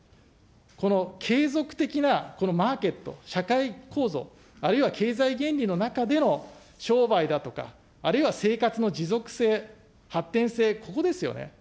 この継続的なこのマーケット、社会構造、あるいは経済原理の中での商売だとか、あるいは生活の持続性、発展性、ここですよね。